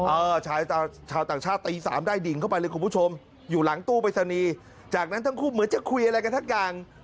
เออชายชาวต่างชาติตีสามได้ดิ่งเข้าไปเลยคุณผู้ชมอยู่หลังตู้ปริศนีย์จากนั้นทั้งคู่เหมือนจะคุยอะไรกันสักอย่าง